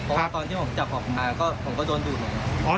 เพราะว่าตอนที่ผมจับออกมาก็ผมก็โดนดูดหมด